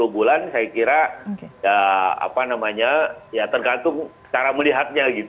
sepuluh bulan saya kira tergantung cara melihatnya